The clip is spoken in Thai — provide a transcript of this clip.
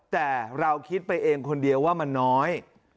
แต่เราคิดไปเองคนเดียวว่ามันน้อย